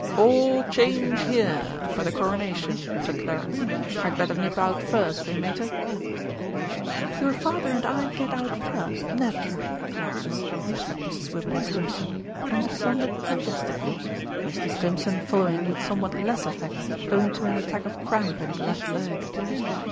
"All change here for the Coronation!" said Clarence. "I'd better nip out first, eh, Mater?" "Your father and I get out first, naturally, Clarence," said Mrs. Wibberley Stimpson, and descended majestically, Mr. Stimpson following with somewhat less effect owing to an attack of cramp in his left leg.